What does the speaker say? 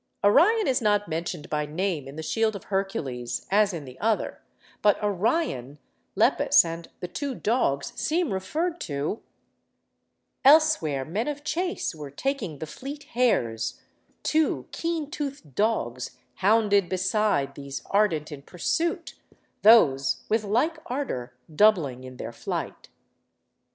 Orion is not mentioned by name in the 'Shield of Hercules,' as in the other; but Orion, Lepus, and the two dogs seem referred to:— Elsewhere men of chase Were taking the fleet hares; two keen toothed dogs Hounded beside; these ardent in pursuit, Those with like ardour doubling in their flight.